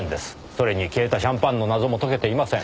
それに消えたシャンパンの謎も解けていません。